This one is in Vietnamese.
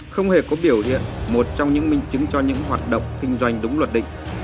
không hề có biểu hiện một trong những minh chứng cho những hoạt động kinh doanh đúng luật định